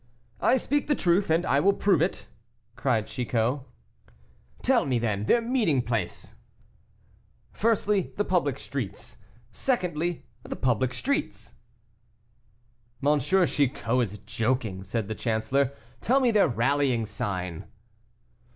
"I speak the truth, and I will prove it," cried Chicot. "Tell me, then, their place of meeting." "Firstly, the public streets; secondly, the public streets." "M. Chicot is joking," said the chancellor; "tell me their rallying sign."